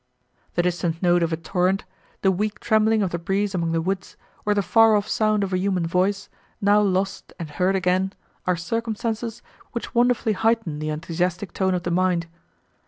The distant note of a torrent, the weak trembling of the breeze among the woods, or the far off sound of a human voice, now lost and heard again, are circumstances, which wonderfully heighten the enthusiastic tone of the mind.